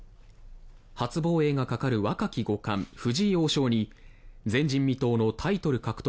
初防衛がかかる、若き五冠藤井王将に前人未到のタイトル獲得